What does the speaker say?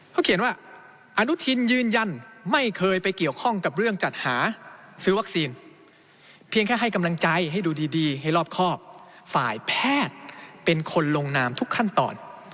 เขาเขียนว่าอนุทินยืนยันไม่เคยไปเกี่ยวข้องกับเรื่องจัดหาซื้อวัคซีนเพียงแค่ให้กำลังใจให้ดูดีให้รอบครอบฝ่ายแพทย์เป็นคนลงนามทุกขั้นตอน